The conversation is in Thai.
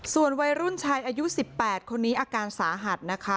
ส่วนวัยรุ่นชายอายุ๑๘คนนี้อาการสาหัสนะคะ